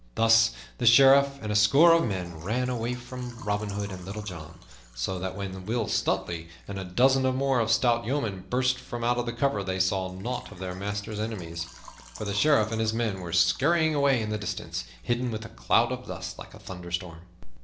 Thus the Sheriff and a score of men ran away from Robin Hood and Little John; so that when Will Stutely and a dozen or more of stout yeomen burst from out the covert, they saw nought of their master's enemies, for the Sheriff and his men were scurrying away in the distance, hidden within a cloud of dust like a little thunderstorm.